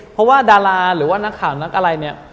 เพราะว่าดาราหรือว่านักข่าวนักอะไรเนี่ย